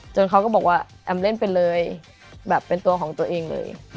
เขาก็บอกว่าแอมเล่นไปเลยแบบเป็นตัวของตัวเองเลย